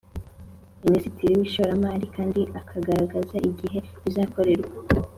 Minisitiri w Ishoramari Kandi Akagaragaza Igihe bizakorerwa